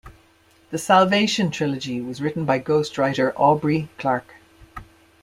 "The Salvation" trilogy was written by ghostwriter Aubrey Clark.